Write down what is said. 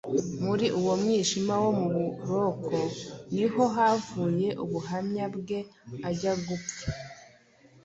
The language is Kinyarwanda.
Muri uwo mwijima wo mu buroko ni ho havuye ubuhamya bwe ajya gupfa,